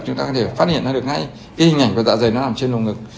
chúng ta có thể phát hiện ra được ngay cái hình ảnh của dạ dày nó nằm trên vùng ngực